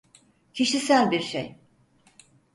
Kişisel bir şey.